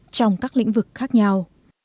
trong các lĩnh vực khác nhau